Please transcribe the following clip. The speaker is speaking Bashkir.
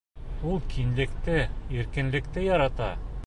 Ул киңлекте, иркенлекте ярата.